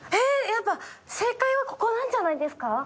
やっぱ正解はここなんじゃないですか？